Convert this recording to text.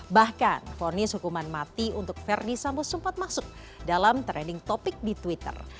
bahkan fonis hukuman mati untuk verdi sambo sempat masuk dalam trending topic di twitter